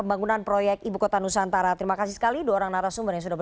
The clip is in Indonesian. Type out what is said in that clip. mas und yang sudah berkontras pemerintah